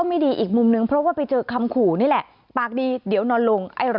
ไม่ดีอีกมุมนึงเพราะว่าไปเจอคำขู่นี่แหละปากดีเดี๋ยวนอนลงไอรอ